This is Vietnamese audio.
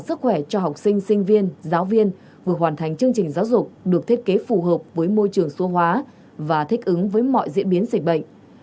sức khỏe cho học sinh sinh viên giáo viên vừa hoàn thành chương trình giáo dục được thiết kế phù hợp với môi trường số hóa và thích ứng với mọi diễn biến dịch bệnh